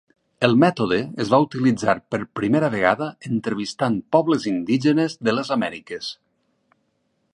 El mètode es va utilitzar per primera vegada entrevistant pobles indígenes de les Amèriques.